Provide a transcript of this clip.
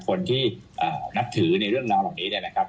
คนที่นับถือในเรื่องราวเหล่านี้เนี่ยนะครับ